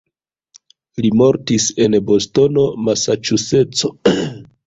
Li mortis en Bostono, Masaĉuseco.